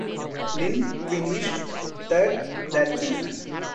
Lyn finished third that season.